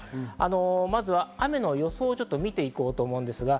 まずは雨の予想を見ていきたいと思います。